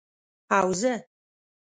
او زه،